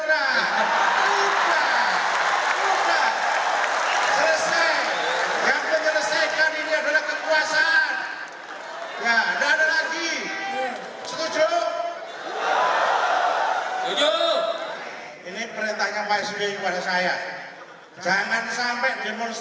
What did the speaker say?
lapan atas keluhan kaum buruh